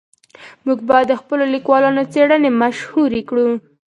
موږ باید د خپلو لیکوالانو څېړنې مشهورې کړو.